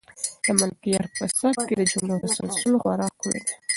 د ملکیار په سبک کې د جملو تسلسل خورا ښکلی دی.